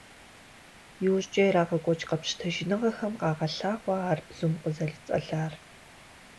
Иужькӏэ ирагъэкӏуэкӏ къэпщытэныгъэхэм къагъэлъагъуэ ар бзум къызэрицӏэлар.